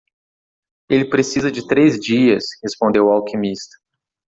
"Ele precisa de três dias?" respondeu o alquimista.